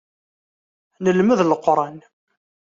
Nelmed Leqran.